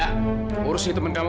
nah urusin teman kamu